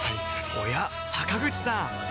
おや坂口さん